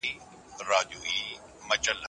يو ماشوم شپېته کتابونه لري.